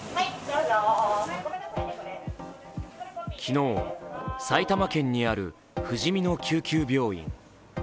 昨日、埼玉県にあるふじみの救急病院。